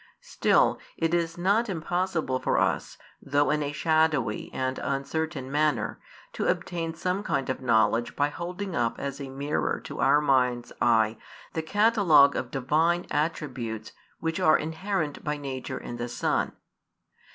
Still, it is not impossible for us, though in a shadowy and uncertain manner, to obtain some kind of knowledge by holding up as a mirror to our mind's eye the catalogue of Divine attributes which are inherent by nature in the Son.